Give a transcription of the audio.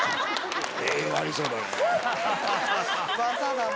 栄養ありそうだね。